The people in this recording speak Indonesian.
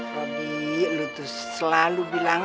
hobi lu tuh selalu bilang